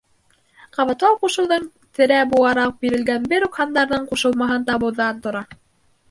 Ҡабатлау-ҡушыуҙың терә булараҡ бирелгән бер үк һандарҙың ҡушылмаһын табыуҙан тора